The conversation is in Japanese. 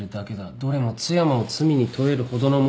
どれも津山を罪に問えるほどのものではない。